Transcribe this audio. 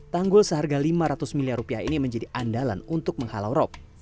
tanggul seharga lima ratus miliar rupiah ini menjadi andalan untuk menghalau rop